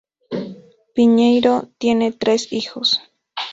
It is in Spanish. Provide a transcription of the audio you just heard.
Piñeiro tiene tres hijos.